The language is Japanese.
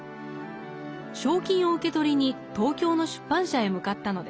賞金を受け取りに東京の出版社へ向かったのです。